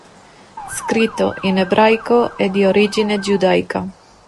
Scritto in ebraico, è di origine giudaica.